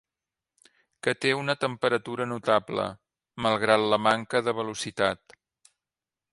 Que té una temperatura notable, malgrat la manca de velocitat.